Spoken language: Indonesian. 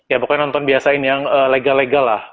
ya pokoknya nonton biasain yang legal legal lah